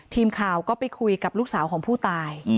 ทีมข่าวก็ไปคุยกับลูกสาวของผู้ตาย